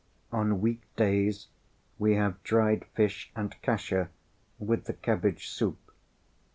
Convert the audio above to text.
On weekdays we have dried fish and kasha with the cabbage soup.